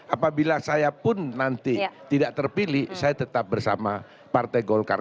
apabila saya pun nanti tidak terpilih saya tetap bersama partai golkar